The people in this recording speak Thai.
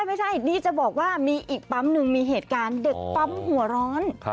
ไม่ใช่นี่จะบอกว่ามีอีกปั๊มหนึ่งมีเหตุการณ์เด็กปั๊มหัวร้อน